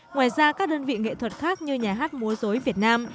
ngoài ra các đơn vị nghệ thuật khác như nhà hát múa dối việt nam